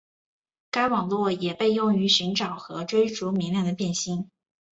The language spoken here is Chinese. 该网络也被用于寻找和追逐明亮的变星。